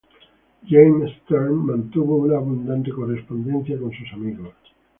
James Stern mantuvo una abundante correspondencia con sus amigos.